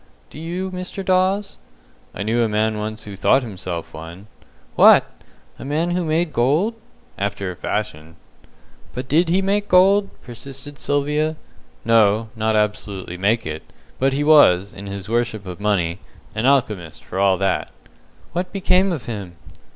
"Do you, Mr. Dawes?" "I knew a man once who thought himself one." "What! A man who made gold?" "After a fashion." "But did he make gold?" persisted Sylvia. "No, not absolutely make it. But he was, in his worship of money, an alchemist for all that." "What became of him?"